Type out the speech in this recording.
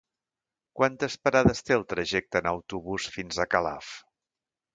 Quantes parades té el trajecte en autobús fins a Calaf?